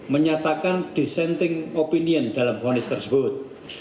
menyatakan dissenting opinion dalam fonis tersebut